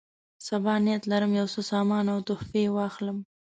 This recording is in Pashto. سبا نیت لرم یو څه سامان او تحفې واخلم.